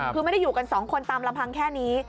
คือไม่ได้อยู่กันสองคนตามลำพังแค่นี้